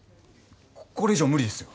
これ以上は無理ですよ。